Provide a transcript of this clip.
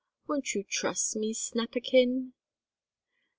Won't you trust me, Snapperkin?"